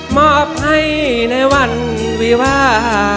มอบให้ในวันวิวา